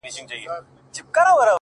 یوه خولگۍ خو مسته راته جناب راکه